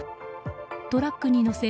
トラックに載せ